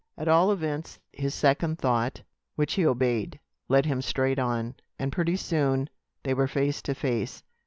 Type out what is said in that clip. At all events his second thought, which he obeyed, led him straight on, and pretty soon they were face to face.